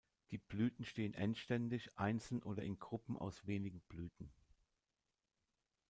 Die Blüten stehen endständig, einzeln oder in Gruppen aus wenigen Blüten.